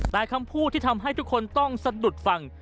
แต่คำพูดที่ทำให้ทุกคนต้องสะดุดฟัง